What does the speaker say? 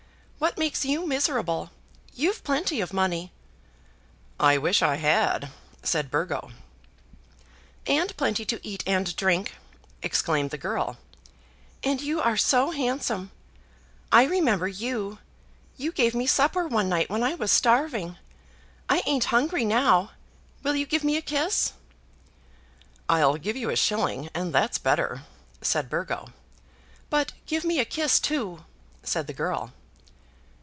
"What makes you miserable? You've plenty of money." "I wish I had," said Burgo. "And plenty to eat and drink," exclaimed the girl; "and you are so handsome! I remember you. You gave me supper one night when I was starving. I ain't hungry now. Will you give me a kiss?" "I'll give you a shilling, and that's better," said Burgo. "But give me a kiss too," said the girl.